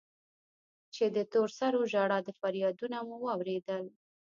چې د تور سرو ژړا و فريادونه مو واورېدل.